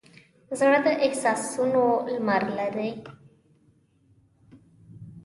زړه د احساسونو لمر دی.